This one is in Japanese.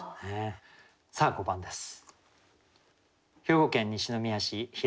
さあ５番です。